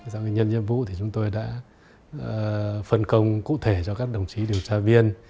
sau khi nhân nhiệm vụ thì chúng tôi đã phân công cụ thể cho các đồng chí điều tra viên